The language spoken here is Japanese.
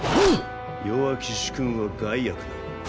弱き主君は害悪なり。